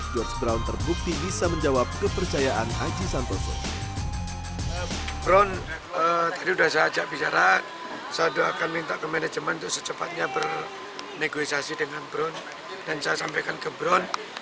george brown terbukti bisa menjawab kepercayaan aji santoso